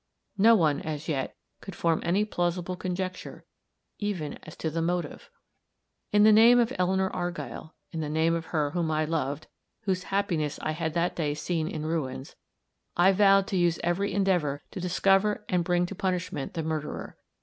No one, as yet, could form any plausible conjecture, even as to the motive. In the name of Eleanor Argyll in the name of her whom I loved, whose happiness I had that day seen in ruins, I vowed to use every endeavor to discover and bring to punishment the murderer.